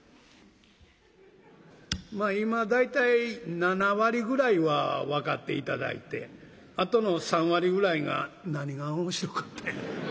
今大体７割ぐらいは分かって頂いてあとの３割ぐらいが「何が面白かったんや？」